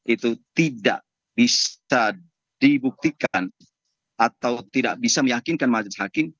itu tidak bisa dibuktikan atau tidak bisa meyakinkan majelis hakim